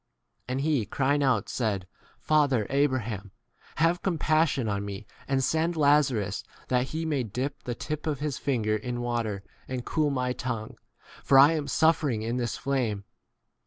2i And he crying out said, Father Abraham, have compassion on me, and send Lazarus that he may dip the tip of his finger in water and cool my tongue, for I 25 am suffering in this flame.